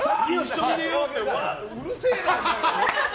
うるせえな！